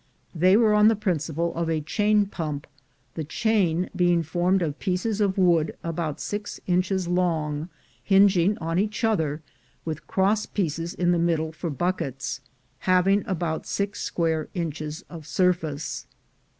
They were on the principle of a chain pump, the chain being formed of pieces of wood about six inches long, hinging on each other, with cross pieces in the middle for buckets, having about six square inches of surface.